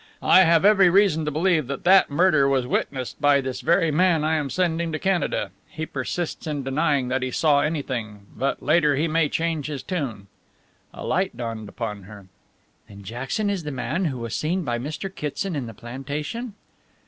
I have every reason to believe that that murder was witnessed by this very man I am sending to Canada. He persists in denying that he saw anything, but later he may change his tune." A light dawned upon her. "Then Jackson is the man who was seen by Mr. Kitson in the plantation?"